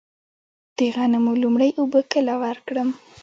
د غنمو لومړۍ اوبه کله ورکړم؟